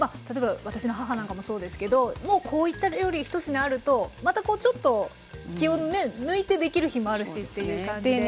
例えば私の母なんかもそうですけどもうこういった料理一品あるとまたこうちょっと気を抜いてできる日もあるしっていう感じで。